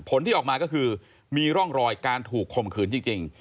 ผลที่ออกมาก็คือมีร่องรอยการถูกคมขืนจริง